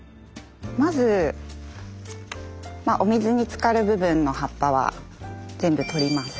まずお水につかる部分の葉っぱは全部取ります。